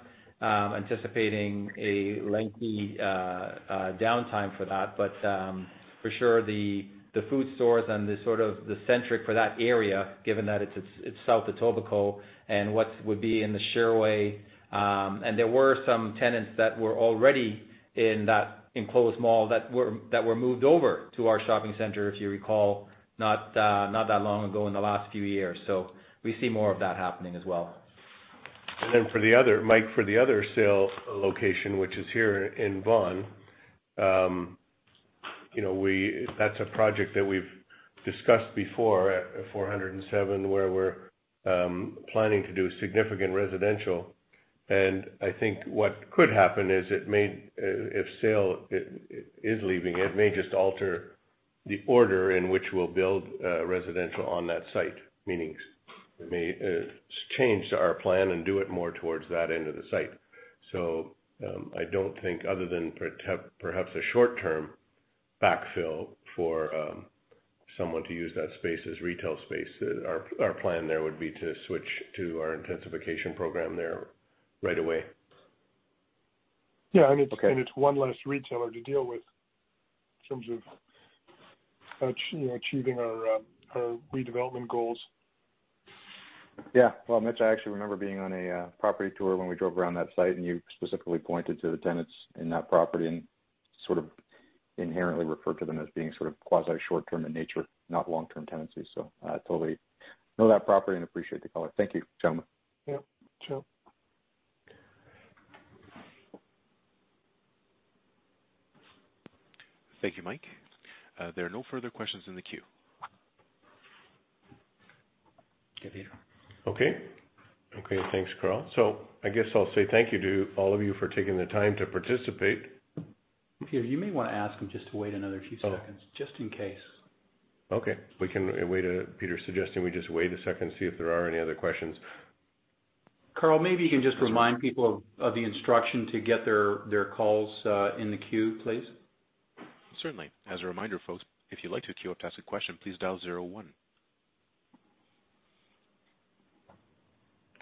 anticipating a lengthy downtime for that. For sure, the food stores and the sort of the centric for that area, given that it's South Etobicoke. There were some tenants that were already in that enclosed mall that were moved over to our shopping center, if you recall, not that long ago, in the last few years. We see more of that happening as well. Mike, for the other SAIL's location, which is here in Vaughan. That's a project that we've discussed before at 407 where we're planning to do significant residential. I think what could happen is if SAIL is leaving, it may just alter the order in which we'll build residential on that site. Meaning we may change our plan and do it more towards that end of the site. I don't think other than perhaps a short-term backfill for someone to use that space as retail space, our plan there would be to switch to our intensification program there right away. Yeah. Okay. It's one less retailer to deal with in terms of achieving our redevelopment goals. Yeah. Well, Mitch, I actually remember being on a property tour when we drove around that site, and you specifically pointed to the tenants in that property and sort of inherently referred to them as being sort of quasi short-term in nature, not long-term tenancy. I totally know that property and appreciate the color. Thank you, gentlemen. Yeah. Ciao. Thank you, Mike. There are no further questions in the queue. Thanks, Carl. I guess I'll say thank you to all of you for taking the time to participate. Peter, you may want to ask them just to wait another few seconds just in case. Okay. Peter's suggesting we just wait a second, see if there are any other questions. Carl, maybe you can just remind people of the instruction to get their calls in the queue, please. Certainly. As a reminder, folks, if you'd like to queue up to ask a question, please dial zero one.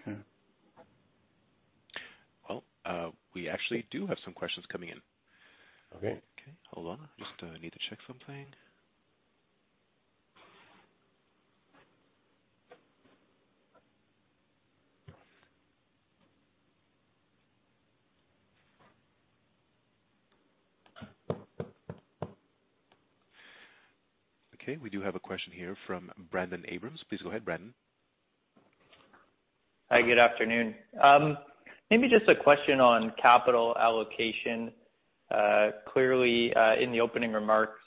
Okay. Well, we actually do have some questions coming in. Okay. Okay. Hold on. Just need to check something. Okay, we do have a question here from Brendon Abrams. Please go ahead, Brendon. Hi, good afternoon. Maybe just a question on capital allocation. Clearly, in the opening remarks,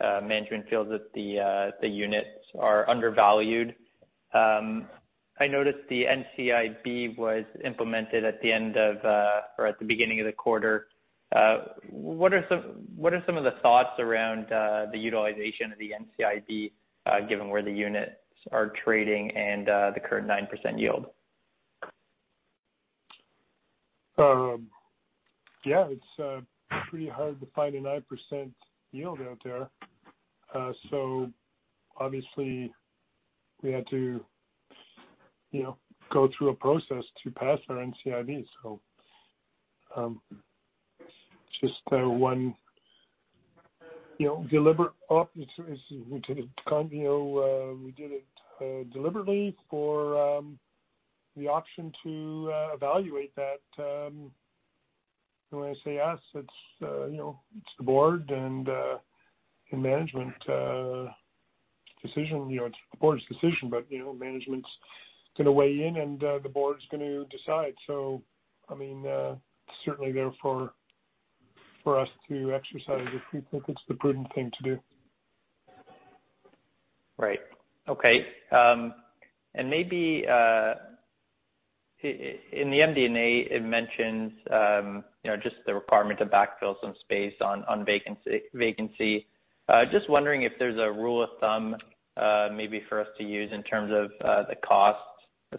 management feels that the units are undervalued. I noticed the NCIB was implemented at the beginning of the quarter. What are some of the thoughts around the utilization of the NCIB given where the units are trading and the current 9% yield? Yeah, it's pretty hard to find a 9% yield out there. Obviously we had to go through a process to pass our NCIB. We did it deliberately for the option to evaluate that. When I say us, it's the board and management's decision. It's the board's decision, but management's going to weigh in, and the board's going to decide. Certainly there for us to exercise if we think it's the prudent thing to do. Right. Okay. Maybe in the MD&A it mentions just the requirement to backfill some space on vacancy. Just wondering if there's a rule of thumb maybe for us to use in terms of the costs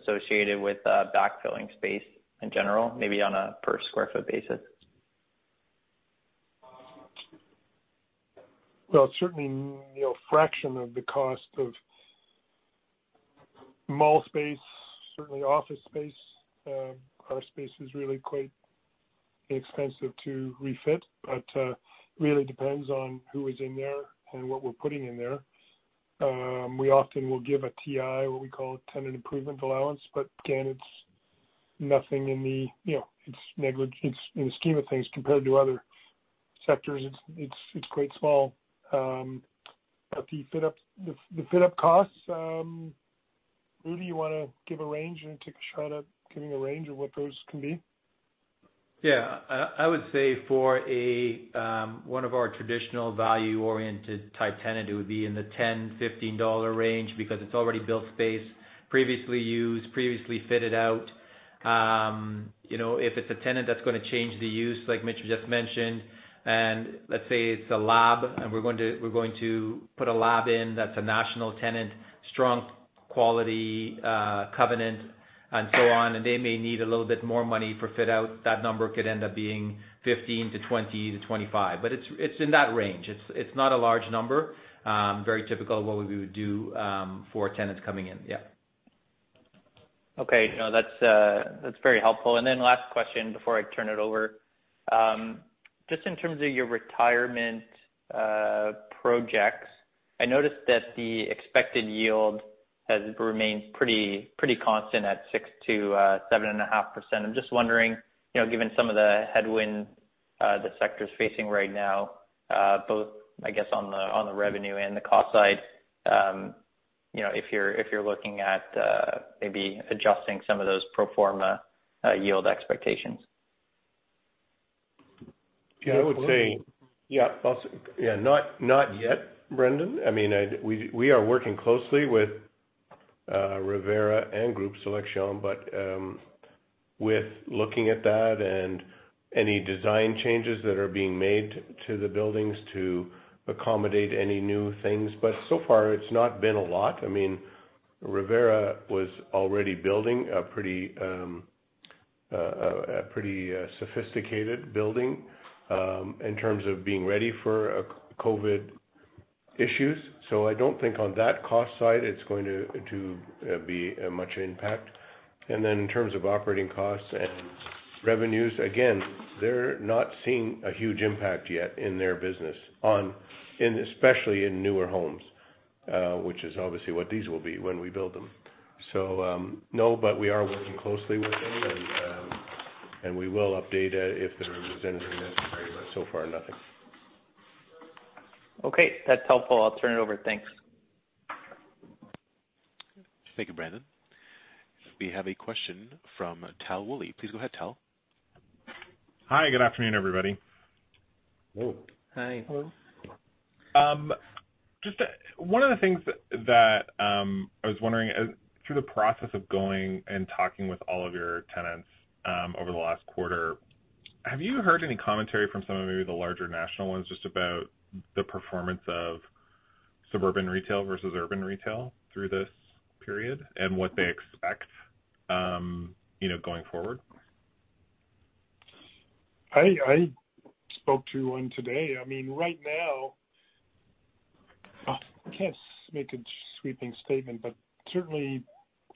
associated with backfilling space in general, maybe on a per square foot basis? Well, certainly fraction of the cost of mall space, certainly office space. Our space is really quite expensive to refit, but really depends on who is in there and what we're putting in there. We often will give a TI, what we call a tenant improvement allowance. Again, in the scheme of things, compared to other sectors, it's quite small. The fit-up costs, Rudy, you want to give a range and take a shot at giving a range of what those can be? Yeah. I would say for one of our traditional value-oriented type tenant, it would be in the 10-15 dollar range because it's already built space, previously used, previously fitted out. If it's a tenant that's going to change the use, like Mitch just mentioned, and let's say it's a lab and we're going to put a lab in that's a national tenant, strong quality covenant and so on, and they may need a little bit more money for fit out. That number could end up being 15 to 20 to 25, but it's in that range. It's not a large number. Very typical of what we would do for tenants coming in. Yeah. Okay. No, that's very helpful. Last question before I turn it over. Just in terms of your retirement projects, I noticed that the expected yield has remained pretty constant at 6% to 7.5%. I'm just wondering, given some of the headwind the sector is facing right now both I guess on the revenue and the cost side if you're looking at maybe adjusting some of those pro forma yield expectations. Not yet, Brendon. We are working closely with Revera and Groupe Sélection, with looking at that and any design changes that are being made to the buildings to accommodate any new things. So far it's not been a lot. Revera was already building a pretty sophisticated building in terms of being ready for COVID issues. I don't think on that cost side it's going to be much impact. In terms of operating costs and revenues, again, they're not seeing a huge impact yet in their business, especially in newer homes, which is obviously what these will be when we build them. No, but we are working closely with them, and we will update if there is anything necessary, but so far nothing. Okay. That's helpful. I'll turn it over. Thanks. Thank you, Brendon. We have a question from Tal Woolley. Please go ahead, Tal. Hi, good afternoon, everybody. Hello. Hi. Hello. Just one of the things that I was wondering, through the process of going and talking with all of your tenants over the last quarter, have you heard any commentary from some of maybe the larger national ones just about the performance of suburban retail versus urban retail through this period and what they expect going forward? I spoke to one today. Right now, I can't make a sweeping statement, but certainly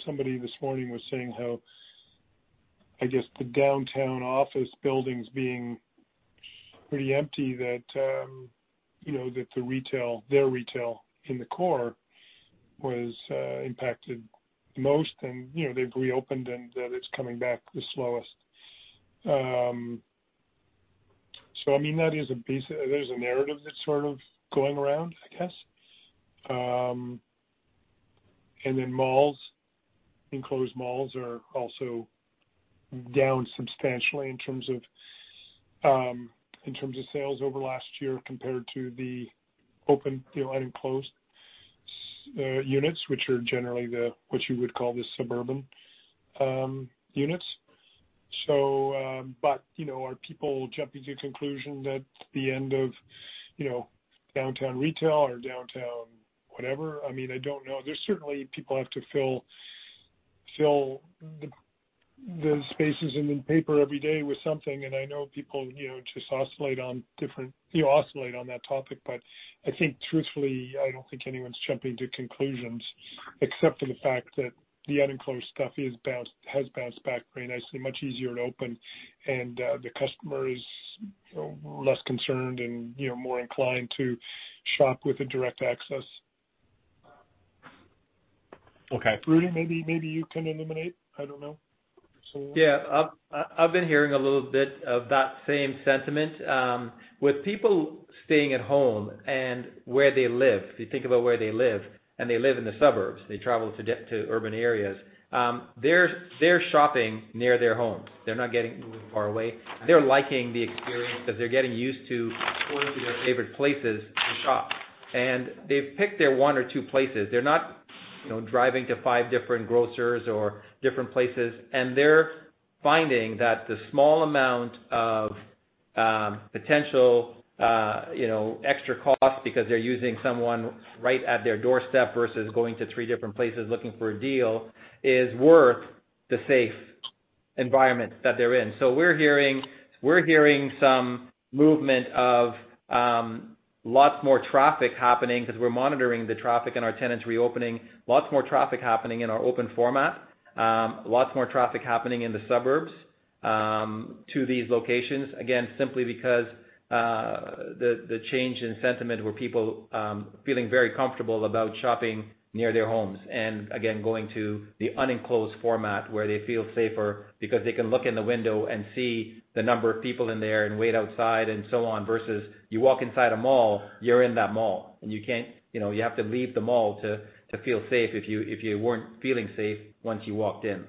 somebody this morning was saying how, I guess the downtown office buildings being pretty empty, that their retail in the core was impacted most. They've reopened and that it's coming back the slowest. There's a narrative that's sort of going around, I guess. Enclosed malls are also down substantially in terms of sales over last year compared to the open, the unenclosed units, which are generally what you would call the suburban units. Are people jumping to conclusions that it's the end of downtown retail or downtown whatever? I don't know. Certainly, people have to fill the spaces in the paper every day with something. I know people just oscillate on that topic. I think truthfully, I don't think anyone's jumping to conclusions except for the fact that the unenclosed stuff has bounced back very nicely, much easier to open, and the customer is less concerned and more inclined to shop with a direct access. Okay. Rudy, maybe you can illuminate. I don't know. Yeah. I've been hearing a little bit of that same sentiment. With people staying at home and where they live, if you think about where they live, and they live in the suburbs, they travel to urban areas. They're shopping near their homes. They're not getting moving far away. They're liking the experience because they're getting used to going to their favorite places to shop. They've picked their one or two places. They're not driving to five different grocers or different places, and they're finding that the small amount of potential extra cost because they're using someone right at their doorstep versus going to three different places looking for a deal is worth the safe environment that they're in. We're hearing some movement of lots more traffic happening because we're monitoring the traffic and our tenants reopening, lots more traffic happening in our open format. Lots more traffic happening in the suburbs to these locations, again, simply because the change in sentiment where people feel very comfortable about shopping near their homes and again, going to the unenclosed format where they feel safer because they can look in the window and see the number of people in there and wait outside and so on, versus you walk inside a mall, you're in that mall, and you have to leave the mall to feel safe if you weren't feeling safe once you walked in.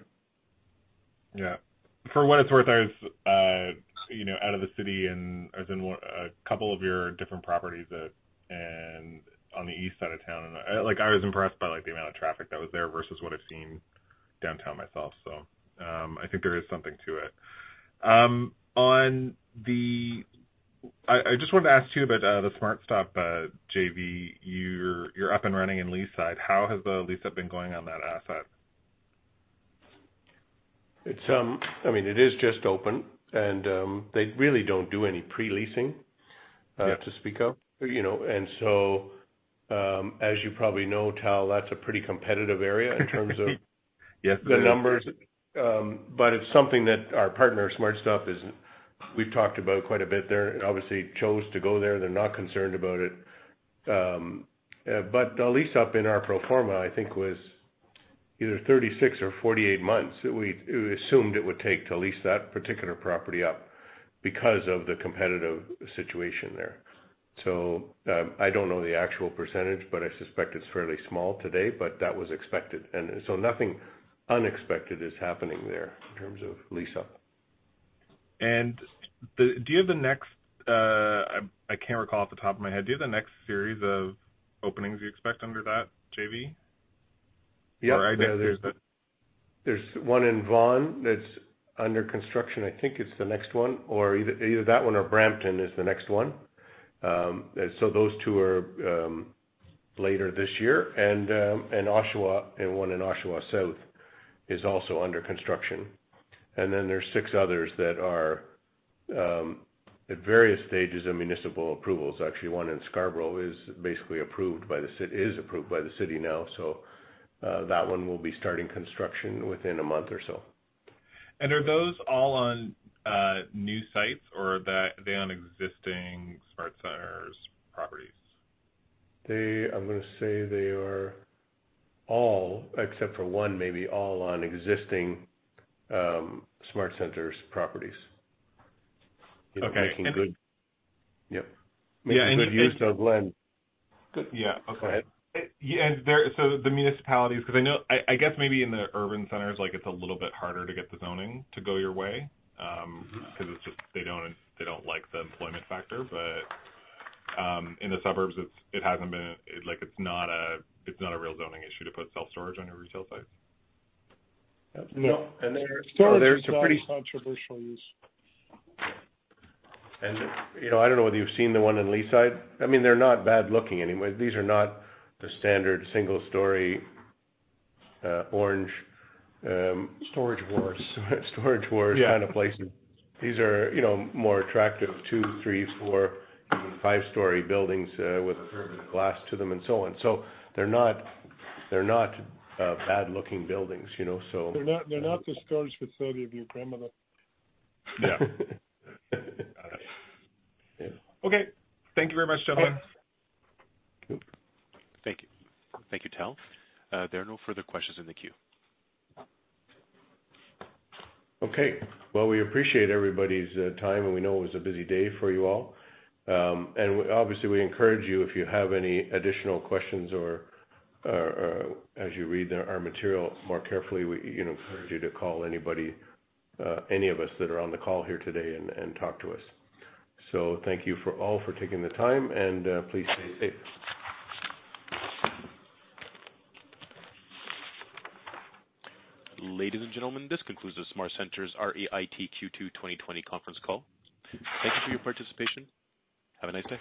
For what it's worth, I was out of the city and I was in a couple of your different properties on the east side of town, and I was impressed by the amount of traffic that was there versus what I've seen downtown myself. I think there is something to it. I just wanted to ask too about the SmartStop JV. You're up and running in Leaside. How has the lease-up been going on that asset? It is just open, and they really don't do any pre-leasing. Yeah to speak of. As you probably know, Tal, that's a pretty competitive area. Yes, it is. the numbers. It's something that our partner, SmartStop, we've talked about quite a bit there, obviously chose to go there. They're not concerned about it. The lease-up in our pro forma, I think, was either 36 or 48 months, we assumed it would take to lease that particular property up because of the competitive situation there. I don't know the actual percentage, but I suspect it's fairly small today, but that was expected, and so nothing unexpected is happening there in terms of lease-up. Do you have the next, I can't recall off the top of my head, do you have the next series of openings you expect under that JV? Yeah. I know there's. There's one in Vaughan that's under construction. I think it's the next one, either that one or Brampton is the next one. Those two are later this year. One in Oshawa South is also under construction. There's six others that are At various stages of municipal approvals. Actually, one in Scarborough is approved by the city now, so that one will be starting construction within a month or so. Are those all on new sites or are they on existing SmartCentres properties? I'm going to say they are all, except for one maybe, all on existing SmartCentres properties. Okay. Making good use of land. Yeah. Okay. Go ahead. The municipalities, because I guess maybe in the urban centers, it's a little bit harder to get the zoning to go your way. Because they don't like the employment factor. In the suburbs it's not a real zoning issue to put self-storage on a retail site. No. Self-storage is not a controversial use. I don't know whether you've seen the one in Leaside. They're not bad looking anyway. These are not the standard single story orange- Storage Wars. Storage Wars kind of places. These are more attractive two, three, four, even five story buildings with a fair bit of glass to them and so on. They're not bad looking buildings. They're not the storage facility of your grandmother. Yeah. Got it. Okay. Thank you very much, gentlemen. Thank you, Tal. There are no further questions in the queue. Okay. Well, we appreciate everybody's time. We know it was a busy day for you all. Obviously, we encourage you, if you have any additional questions or as you read our material more carefully, we encourage you to call any of us that are on the call here today and talk to us. Thank you all for taking the time, and please stay safe. Ladies and gentlemen, this concludes the SmartCentres REIT Q2 2020 conference call. Thank you for your participation. Have a nice day.